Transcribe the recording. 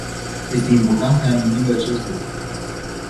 Este important să ne amintim de acest lucru.